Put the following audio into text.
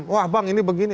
wah bang ini begini